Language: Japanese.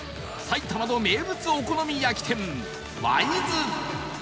埼玉の名物お好み焼き店わいず